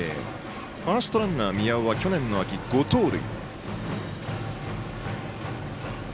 ファーストランナー宮尾は去年の秋、５盗塁。